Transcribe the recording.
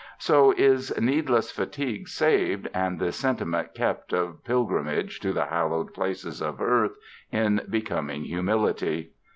So is needless fatigue saved and the sentiment kept of pilgrimage to the hallowed places of earth in becoming humil ity.